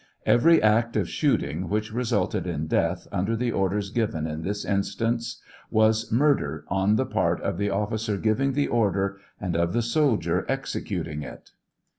Every act of shooting which resulted in death, under the orders given in this instance, was murder on the part of the officer giving the order, and of the sol dier executing it.